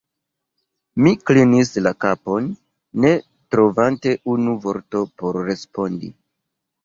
Mi klinis la kapon, ne trovante unu vorton por respondi.